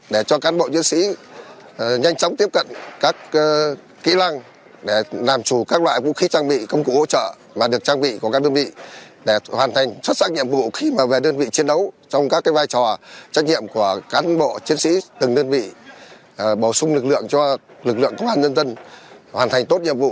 để cho cán bộ chiến sĩ nhanh chóng tiếp cận các kỹ năng để làm chủ các loại vũ khí trang bị công cụ hỗ trợ mà được trang bị của các đơn vị để hoàn thành xuất sắc nhiệm vụ khi mà về đơn vị chiến đấu trong các vai trò trách nhiệm của cán bộ chiến sĩ từng đơn vị bổ sung lực lượng cho lực lượng công an nhân dân hoàn thành tốt nhiệm vụ